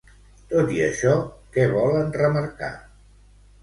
Tot i això, què volen remarcar?